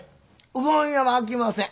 うどん屋はあきません。